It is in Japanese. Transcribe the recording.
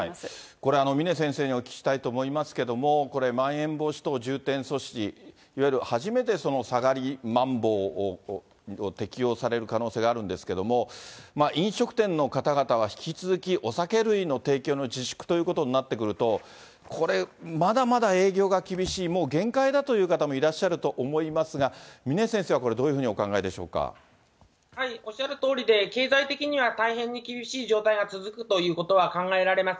これ、峰先生にお聞きしたいと思いますけれども、これ、まん延防止等重点措置、いわゆる初めて下がりまん防を適用される可能性があるんですけれども、飲食店の方々は、引き続きお酒類の提供の自粛ということになってくると、これ、まだまだ営業が厳しい、もう限界だという方もいらっしゃると思いますが、峰先生はこれ、おっしゃるとおりで、経済的には大変に厳しい状態が続くということは考えられます。